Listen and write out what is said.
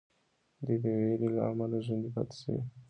دوی د ویرې له امله ژوندي پاتې سوي.